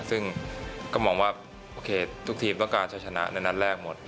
ซึ่งก็มองว่าโอเคทุกทีมต้องการจะชนะในนัดแรกหมด